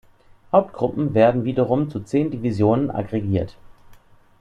Hauptgruppen werden wiederum zu zehn Divisionen aggregiert.